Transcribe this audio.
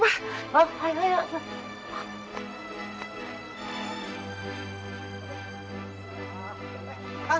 kanku kanku kanku tenang